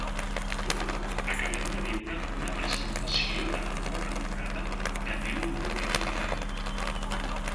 Acabem de viure una presentació de la nova temporada de neu multitudinària.